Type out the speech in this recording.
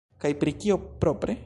Kaj pri kio, propre?